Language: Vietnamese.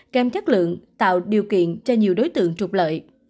kém chất lượng tạo điều kiện cho nhiều đối tượng trục lợi